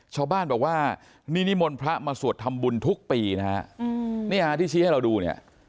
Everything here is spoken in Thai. ชาวบ้านบอกว่านี่นิมนต์พระมาสวดทำบุญทุกปีนะฮะนี่ฮะที่ชี้ให้เราดูเนี่ย